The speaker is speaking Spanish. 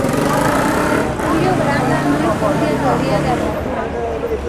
Julio Granda no estudia teoría de aperturas.